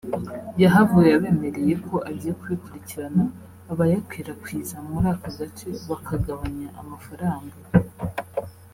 yahavuye abemereye ko agiye kubikurikirana abayakwirakwiza muri aka gace bakagabanya amafaranga